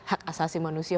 hak asasi manusia